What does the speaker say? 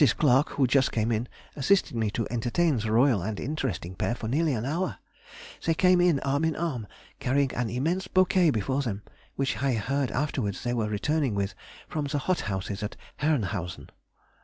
Mrs. Clarke, who just came in, assisted me to entertain the royal and interesting pair for nearly an hour. They came in arm in arm, carrying an immense bouquet before them, which I heard afterwards they were returning with from the hothouses at Herrnhausen.